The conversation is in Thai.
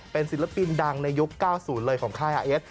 เป็นศิลปินดังในยุค๙๐เลยของค่ายอาเอส